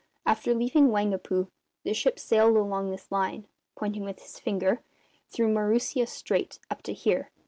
After leaving Waingapu the ship sailed along this line," pointing with his finger "through Maurissa Strait, up to here.